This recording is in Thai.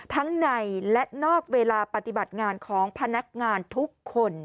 ทั้งในและนอกเวลาปฏิบัติงานของพนักงานทุกคน